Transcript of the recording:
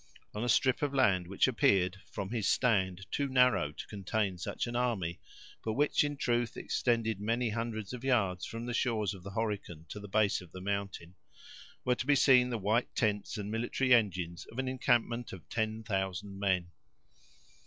On a strip of land, which appeared from his stand too narrow to contain such an army, but which, in truth, extended many hundreds of yards from the shores of the Horican to the base of the mountain, were to be seen the white tents and military engines of an encampment of ten thousand men.